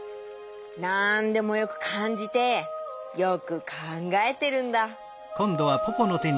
なんでもよくかんじてよくかんがえてるんだ。